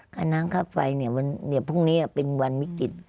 ค่าน้ำค่าไฟพรุ่งนี้เป็นวันวิกฤต